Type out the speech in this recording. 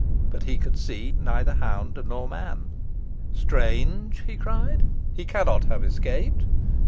But he could see neither hound nor man. "Strange!" he cried. "He cannot have escaped.